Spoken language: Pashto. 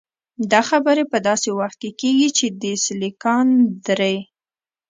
دا خبرې په داسې وخت کې کېږي چې د 'سیليکان درې'.